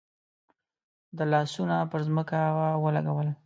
ده لاسونه پر ځمکه ولګول.